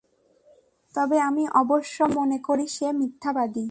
তবে আমি অবশ্য মনে করি, সে মিথ্যাবাদী।